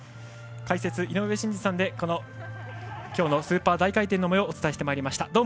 解説、井上真司さんで今日のスーパー大回転のもようをお伝えしてまいりました。